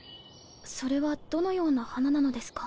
それはどのような花なのですか？